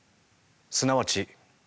すなわち。